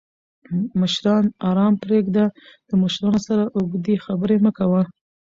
مشران آرام پریږده! د مشرانو سره اوږدې خبرې مه کوه